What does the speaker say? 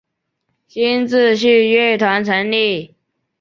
新秩序乐团成立。